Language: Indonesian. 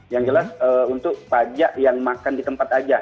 yang jelas untuk pajak yang makan di tempat aja